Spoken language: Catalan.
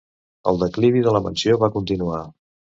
El declivi de la mansió va continuar.